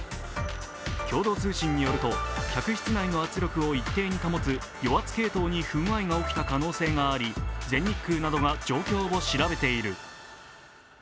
共同通信によると、客室内の圧力を一定に保つ与圧系統に不具合が起きた可能性があり、全日空などが状況を調べている。